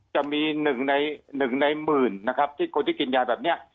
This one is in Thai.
จะมี๑ใน๑ในหมื่นนะครับที่คนที่กินยาแบบนี้